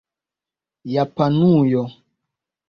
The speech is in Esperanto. Japanujo